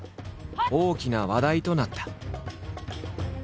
大きな話題となった。